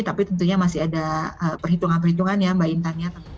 tapi tentunya masih ada perhitungan perhitungan ya mbak intan